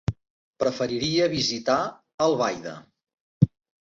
Preferiria visitar Albaida.